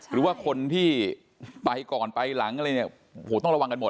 หรือคนที่ไปก่อนไปหลังต้องระวังกัน